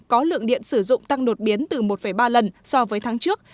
có lượng điện sử dụng tăng đột biến từ một ba lần so với tháng trước